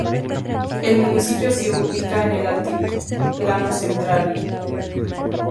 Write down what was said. El municipio se ubica en el Altiplano Central.